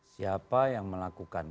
siapa yang melakukan